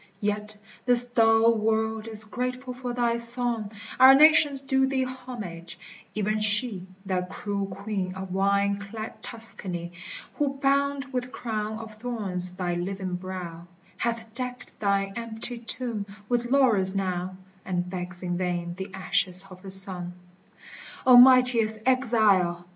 Yet this dull world is grateful for thy song ; Our nations do thee homage,— even she, That cruel queen of vine clad Tuscany, Who bound with crown of thorns thy living brow, Hath decked thine empty tomb with laurels now, And begs in vain the ashes of her son. O mightiest exile